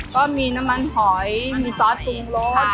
ก็มีน้ำมันหอยมีซอสปรุงรส